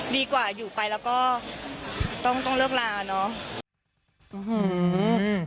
ดีกว่าอยู่ไปแล้วก็ต้องเลือกลาเนาะ